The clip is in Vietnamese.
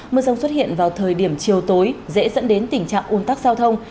mưa rong xuất hiện vào thời điểm chiều tối dễ dẫn đến tình trạng ôn tắc giao thông